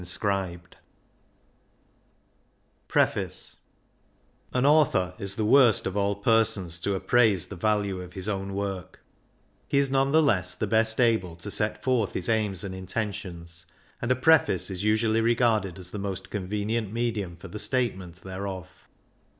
193 XIU PREFACE An author is the worst of all persons to appraise the value of his own work ; he is none the less the best able to set forth his aims and intentions, and a preface is usually regarded as the most convenient medium for the statement thereof.